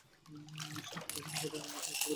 সে একটি বাহিনী পাঠায় ঐ মন্দির ধ্বংস করার জন্য।